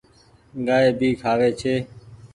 گآئي ڀي کآوي ڇي۔